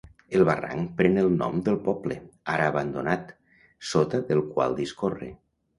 El barranc pren el nom del poble, ara abandonat, sota del qual discorre.